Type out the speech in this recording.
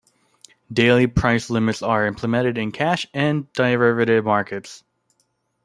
Daily price limits are implemented in cash and derivative markets.